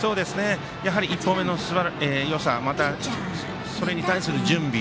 やはり１本目のよさまた、それに対する準備。